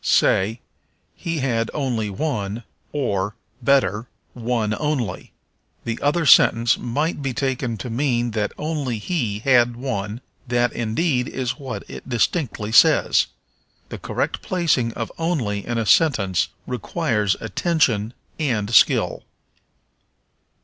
Say, He had only one, or, better, one only. The other sentence might be taken to mean that only he had one; that, indeed, is what it distinctly says. The correct placing of only in a sentence requires attention and skill.